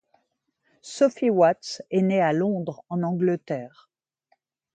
Sophie Watts est née à Londres en Angleterre.